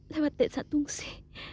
lewat desa tungsi